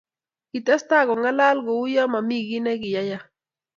Kitestai kongalal kouyo momi kiy nekiyayak